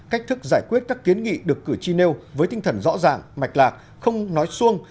cách thức giải quyết các kiến nghị được cử tri nêu với tinh thần rõ ràng mạch lạc không nói xuông